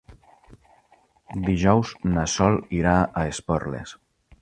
Dijous na Sol irà a Esporles.